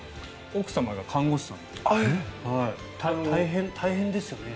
奥様が看護師さんで大変ですよね？